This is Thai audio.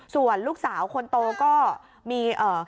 ส่วนลูกสาวคนโตก็มี